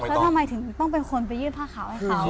แล้วทำไมถึงต้องเป็นคนไปยืดผ้าขาวให้เขา